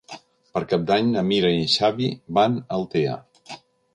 Per Cap d'Any na Mira i en Xavi van a Altea.